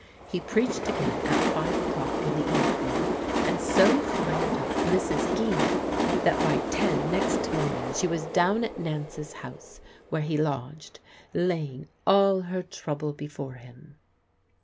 He preached again at five o'clock in the evening, and so fired up Mrs. Geen that by ten next morning she was down at Nance's house, where he lodged, laying all her trouble before him.